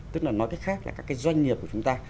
tức là nói cách khác là các cái doanh nghiệp của chúng ta